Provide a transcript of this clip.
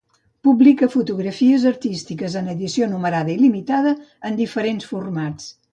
Publica fotografies artístiques en edició numerada i limitada en diferents formats.